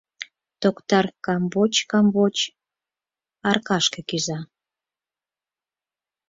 Токтар камвоч-камвоч аркашке кӱза.